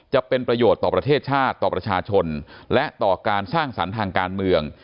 จะเป็นประโยชน์ต่อประเทศชาติต่อประชาชนและต่อการสร้างสรรค์ทางการเมือง